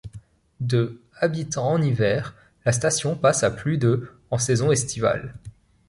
De habitants en hiver, la station passe à plus de en saison estivale.